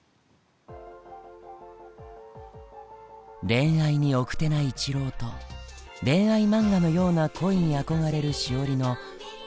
恋愛に奥手な一郎と恋愛漫画のような恋に憧れるしおりの心のふれあい。